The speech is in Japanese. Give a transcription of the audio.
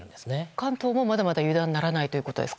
関東もまだまだ油断ならないということですか。